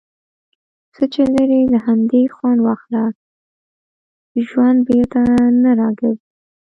څۀ چې لرې، له همدې خؤند واخله. ژؤند بیرته نۀ را ګرځي.